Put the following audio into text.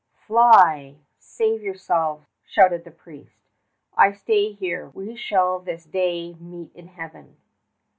"Fly! Save yourselves!" shouted the priest. "I stay here! We shall this day meet in Heaven!"